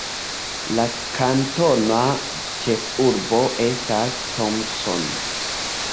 La kantona ĉefurbo estas Thomson.